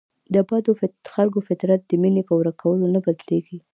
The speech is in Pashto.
د بدو خلکو فطرت د مینې په ورکولو نه بدلیږي.